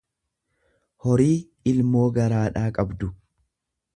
horii ilmoo garaadhaa gabdu.